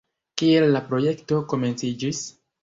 Kiel la projekto komenciĝis?